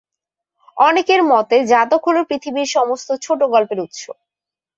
অনেকের মতে 'জাতক' হল পৃথিবীর সমস্ত ছোট গল্পের উৎস।